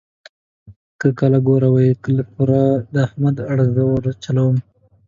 که له کوره وي که له پوره د احمد اړه زه ورچلوم.